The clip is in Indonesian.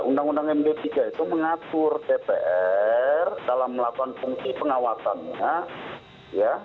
undang undang md tiga itu mengatur dpr dalam melakukan fungsi pengawasannya ya